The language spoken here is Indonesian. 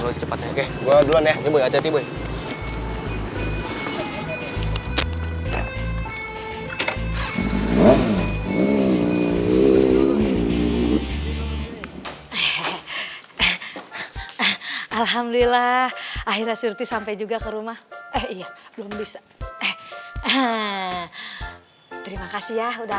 alhamdulillah akhirnya surti sampai juga ke rumah eh iya belum bisa eh terima kasih ya udah